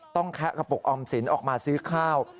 แคะกระปุกออมสินออกมาซื้อข้าว